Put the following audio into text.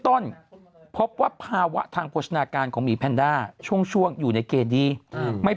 ต้นพบว่าภาวะทางโภชนาการของหมีแพนด้าช่วงอยู่ในเกณฑ์ดีไม่